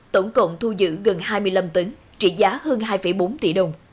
tổng cộng thu giữ gần hai mươi năm tấn trị giá hơn hai bốn tỷ đồng